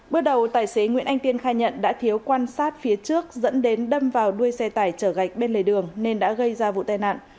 bước đầu tài xế nguyễn anh kiên khai nhận đã thiếu quan sát phía trước dẫn đến đâm vào đuôi xe tải chở gạch bên lề đường nên đã gây ra vụ tai nạn